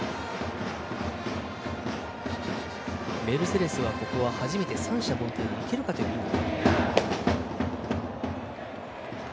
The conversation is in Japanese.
メルセデスは初めて三者凡退いけるかというイニング。